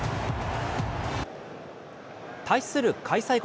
対する開催国